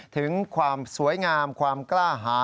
ถึงความสวยงามความกล้าหา